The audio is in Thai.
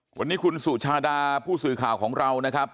วันนี้คุณสุชาดาผู้สื่อข่าวของเรานะครับ